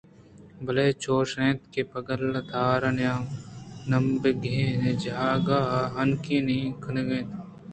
بلے چُش اِنت کہ پُگل تہار ءُ نمبگیں جاگہاں ہنکین کننت